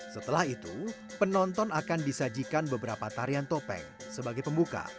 setelah itu penonton akan disajikan beberapa tarian topeng sebagai pembuka